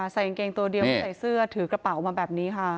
กางเกงตัวเดียวใส่เสื้อถือกระเป๋ามาแบบนี้ค่ะ